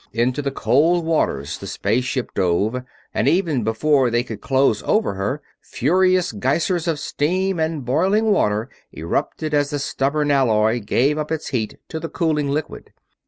Into the cold waters the space ship dove, and even before they could close over her, furious geysers of steam and boiling water erupted as the stubborn alloy gave up its heat to the cooling liquid.